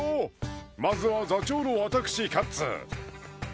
まずは座長の私カッツ